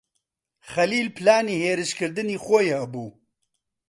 خەلیل پلانی هێرشکردنی خۆی هەبوو.